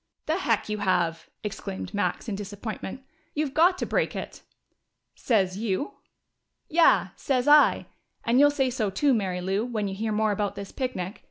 "The heck you have!" exclaimed Max, in disappointment. "You've got to break it!" "Sez you?" "Yeah! Sez I. And you'll say so too, Mary Lou, when you hear more about this picnic.